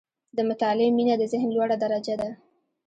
• د مطالعې مینه، د ذهن لوړه درجه ده.